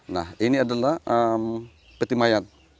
nah ini adalah peti mayat